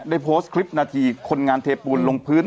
ได้โพสต์คลิปนาทีคนงานเทปูนลงพื้น